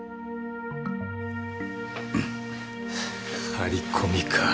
張り込みかあ。